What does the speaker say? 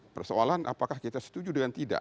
persoalan apakah kita setuju dengan tidak